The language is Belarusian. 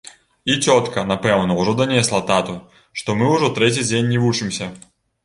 І цётка, напэўна, ужо данесла тату, што мы ўжо трэці дзень не вучымся.